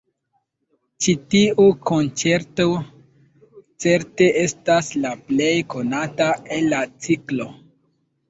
Ĉi tiu konĉerto certe estas la plej konata el la ciklo.